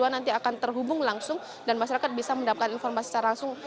satu ratus dua belas nanti akan terhubung langsung dan masyarakat bisa mendapatkan informasi secara langsung